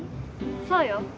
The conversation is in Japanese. そうよ。